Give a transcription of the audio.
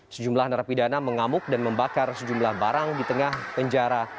sejumlah narapidana mengamuk dan membakar sejumlah barang di tengah penjara